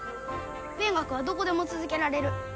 勉学はどこでも続けられる。